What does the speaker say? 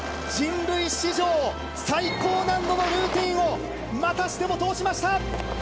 人類史上最高難度のルーティンをまたしても通しました。